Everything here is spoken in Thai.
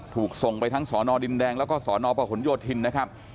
ถูกส่งไปทั้งสอนอดินแดงแล้วก็สนประหลโยธินนะครับ